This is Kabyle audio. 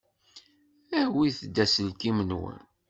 Awit-d aselkim-nwen.